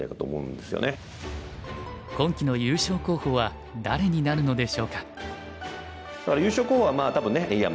今期の優勝候補は誰になるのでしょうか。